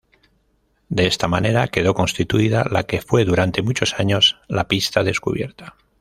De esta manera quedó constituida la que fue durante muchos años la "pista descubierta".